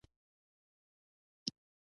بېباورۍ د شرکت فعالیت ته زیان رسوي.